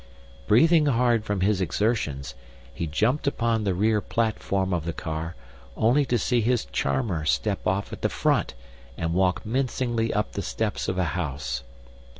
Breathing hard from his exertions, he jumped upon the rear platform of the car, only to see his charmer step off at the front and walk mincingly up the steps of a house.